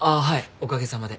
おかげさまで。